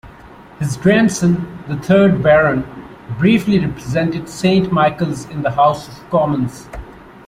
His grandson, the third Baron, briefly represented Saint Michael's in the House of Commons.